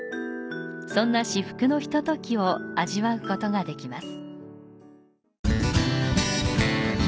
そんな至福のひとときを味わうことができます。